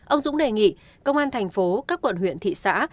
ông dũng đề nghị công an thành phố các quận huyện thị xã